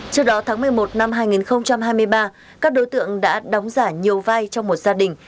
trước đó tháng một mươi một năm hai nghìn hai mươi ba các đối tượng đã đóng giả nhiều vai trong một gia đình